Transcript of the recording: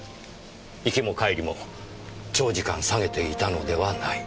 行きも帰りも長時間提げていたのではない。